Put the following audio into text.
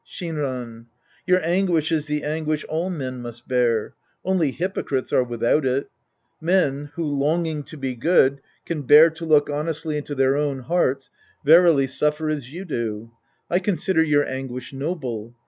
Shinran. Your anguish is the anguish all men must bear. Only h3^pocrites are without it. Men who, longing to be good, can bear to look honestly into their own hearts, verily suffer as you do. I con sider your anguish noble.